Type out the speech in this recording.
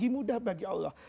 mudah bagi allah